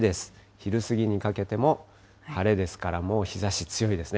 昼過ぎにかけても晴れですから、もう日ざし、強いですね。